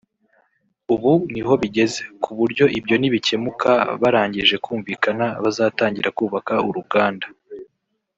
ubu niho bigeze ku buryo ibyo nibikemuka barangije kumvikana bazatangira kubaka uruganda